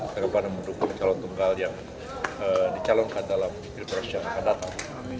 bagaimana mendukung calon tunggal yang dicalonkan dalam pilpres yang akan datang